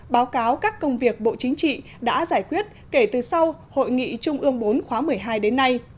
báo cáo các công việc bộ chính trị đã giải quyết kể từ sau hội nghị trung ương bốn khóa một mươi hai đến nay